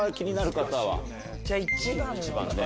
じゃあ１番の方。